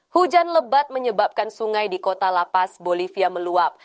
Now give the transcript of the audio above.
hujan lebat menyebabkan sungai di kota lapas bolivia meluap